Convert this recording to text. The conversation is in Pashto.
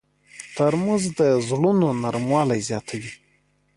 ترموز د زړونو نرموالی زیاتوي.